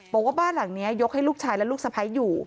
บอกว่าบ้านหลังนี้ยกให้ลูกชายและลูกสะพ้ายอยู่